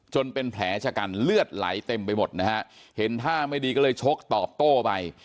เป็นแผลชะกันเลือดไหลเต็มไปหมดนะฮะเห็นท่าไม่ดีก็เลยชกตอบโต้ไป